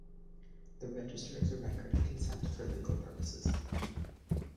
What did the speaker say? The register is a record of consent for legal purposes.